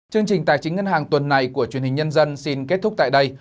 chương trình tài chính ngân hàng tuần này của truyền hình nhân dân xin kết thúc tại đây